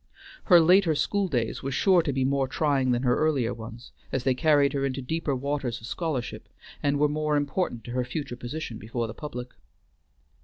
Her later school days were sure to be more trying than her earlier ones, as they carried her into deeper waters of scholarship, and were more important to her future position before the public.